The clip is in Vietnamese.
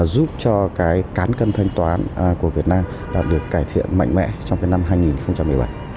giúp cho cái cán cân thanh toán của việt nam được cải thiện mạnh mẽ trong cái năm hai nghìn một mươi bảy